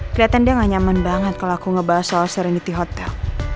kelihatan dia gak nyaman banget kalau aku ngebahas soal serenity hotel